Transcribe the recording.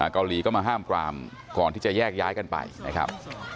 เกาหลีก็มาห้ามปรามก่อนที่จะแยกย้ายกันไปนะครับ